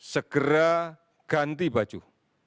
segera ganti baju